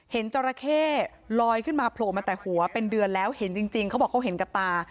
จราเข้ลอยขึ้นมาโผล่มาแต่หัวเป็นเดือนแล้วเห็นจริงเขาบอกเขาเห็นกับตา